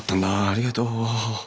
ありがとう。